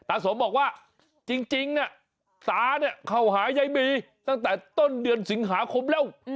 สมบอกว่าจริงเนี่ยตาเนี่ยเข้าหายายบีตั้งแต่ต้นเดือนสิงหาคมแล้ว